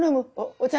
お茶。